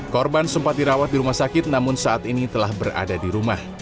korban sempat dirawat di rumah sakit namun saat ini telah berada di rumah